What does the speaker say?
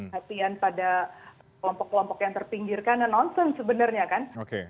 hatian pada kelompok kelompok yang terpinggirkan nonsens sebenarnya kan